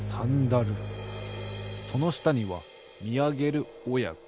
そのしたにはみあげるおやこ。